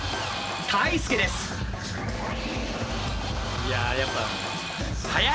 いややっぱ速い！